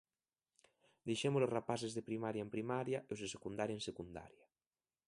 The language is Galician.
Deixemos aos rapaces de primaria en primaria e aos de secundaria en secundaria.